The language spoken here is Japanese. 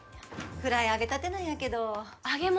フライ揚げたてなんやけど揚げ物？